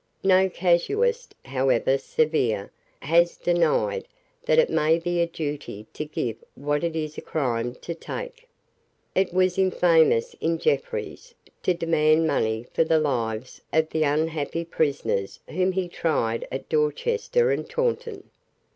No casuist, however severe, has denied that it may be a duty to give what it is a crime to take. It was infamous in Jeffreys to demand money for the lives of the unhappy prisoners whom he tried at Dorchester and Taunton.